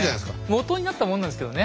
もとになったものなんですけどね。